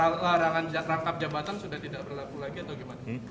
larangan jangkab jabatan sudah tidak berlaku lagi atau bagaimana